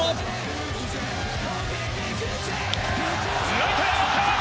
ライトへ上がった！